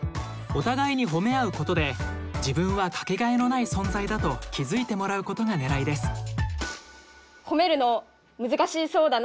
お互いにほめ合うことで自分はかけがえのない存在だと気づいてもらうことがねらいです。